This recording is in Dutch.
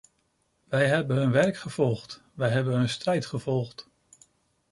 Wij hebben hun werk gevolgd; wij hebben hun strijd gevolgd.